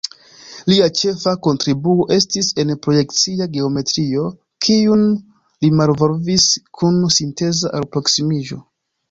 Lia ĉefa kontribuo estis en projekcia geometrio, kiun li malvolvis kun sinteza alproksimiĝo.